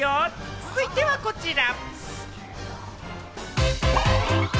続いてはこちら。